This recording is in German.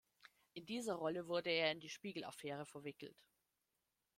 In dieser Rolle wurde er in die Spiegel-Affäre verwickelt.